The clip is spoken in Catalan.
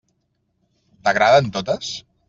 T'agraden totes?